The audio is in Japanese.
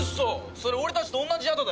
それ俺たちと同じ宿だよ。